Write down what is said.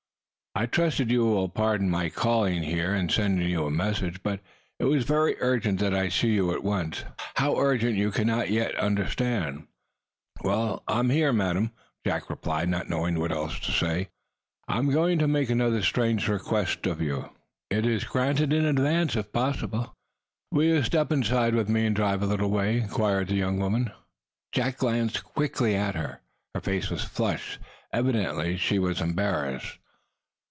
"I trust you will pardon my calling here, and sending you a message. But it was very urgent that I see you at once how urgent you cannot yet understand." "I am here, madam," Jack replied; not knowing what else to say. "I am going to make another strange request of you." "It is granted in advance, if possible." "Will you step inside with me, and drive a little way?" inquired the young woman. Jack glanced quickly at her. Her face was flushed; evidently she was embarrassed.